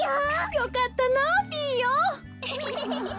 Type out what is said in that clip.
よかったなピーヨン。